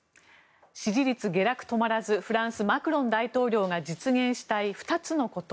支持率下落止まらずフランス、マクロン大統領が実現したい２つのこと